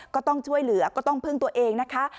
ก็ต้องช่วยเหลือก็ต้องพึ่งตัวเองนะคะ